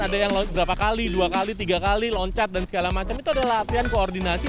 ada yang berapa kali dua kali tiga kali loncat dan segala macam itu adalah latihan koordinasi